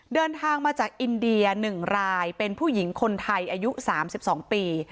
เดินทางมาจากอินเดีย๑รายเป็นผู้หญิงคนไทยอายุ๓๒ปี